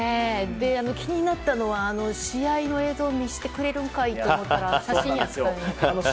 気になったのは、試合の映像を見せてくれるんかい！と思ったら写真やったのが。